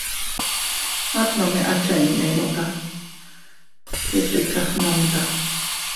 At nome a chinninuta se tika gnuta.